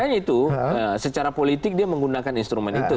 makanya itu secara politik dia menggunakan instrumen itu